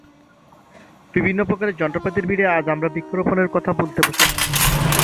বিভিন্ন প্রকার যন্ত্রপাতির ভিড়ে আজ আমরা বৃক্ষরোপনের কথা ভুলতে বসেছি।